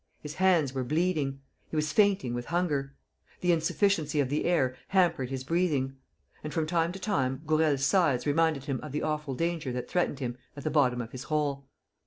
His hands were bleeding. He was fainting with hunger. The insufficiency of the air hampered his breathing; and, from time to time, Gourel's sighs reminded him of the awful danger that threatened him at the bottom of his hole.